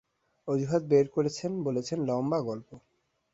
অজুহাত বের করেছেন-বলছেন, লম্বা গল্প।